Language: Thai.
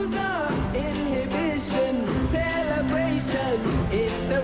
ท่านแรกครับจันทรุ่ม